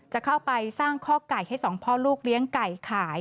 จะเข้าไปสร้างข้อไก่ให้สองพ่อลูกเลี้ยงไก่ขาย